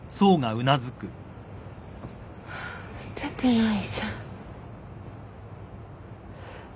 ハァ捨ててないじゃん。